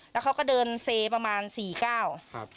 แล้วเค้าก็เดินเซประมาณสี่ก้าว